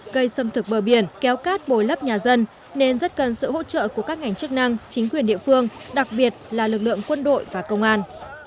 cây xâm thực bờ biển kéo cát bồi lấp nhà dân nên rất cần sự hỗ trợ của các ngành chức năng chính quyền địa phương đặc biệt là lực lượng quân đội và công an